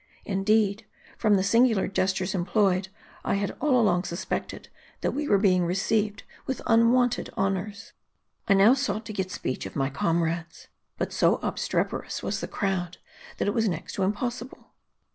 Indeed, from the singular gestures employed, I had all along suspected, that we were being received with unwonted honors. I now sought to get speech of my comrades. But so obstreperous was the crowd, that it was next to impossible.